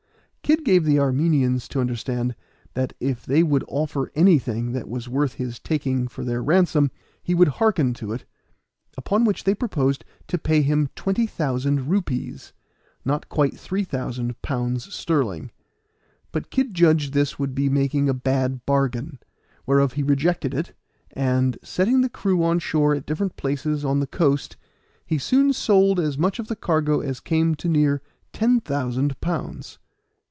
Kid gave the Armenians to understand that if they would offer anything that was worth his taking for their ransom, he would hearken to it; upon which they proposed to pay him twenty thousand rupees, not quite three thousand pounds sterling; but Kid judged this would be making a bad bargain, wherefore he rejected it, and setting the crew on shore at different places on the coast, he soon sold as much of the cargo as came to near ten thousand pounds.